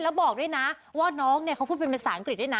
แล้วบอกด้วยนะว่าน้องเนี่ยเขาพูดเป็นภาษาอังกฤษด้วยนะ